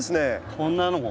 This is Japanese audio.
こんなのも。